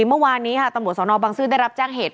เมื่อวานนี้ค่ะตำรวจสนบังซื้อได้รับแจ้งเหตุ